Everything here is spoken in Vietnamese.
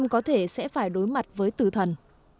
có thể sẽ phải đối mặt với tử thần